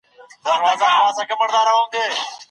نوی نسل باید دغو ارزښتونو ته پام وکړي.